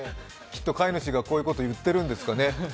きっと飼い主がこういうことを言っているんでしょうね。